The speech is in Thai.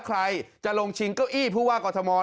ใครจะลงชิงเก้าอี้ผู้ว่ากรทม